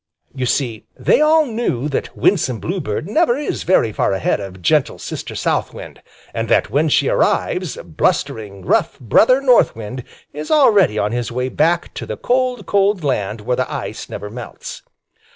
You see they all knew that Winsome Bluebird never is very far ahead of gentle Sister South Wind, and that when she arrives, blustering, rough Brother North Wind is already on his way back to the cold, cold land where the ice never melts.